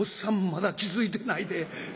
まだ気付いてないで。